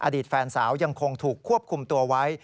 อดีตแฟนสาวยังคงถูกควบคุมตัวไว้